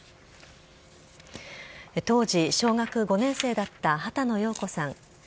当時小学５年生だった波多野耀子さん。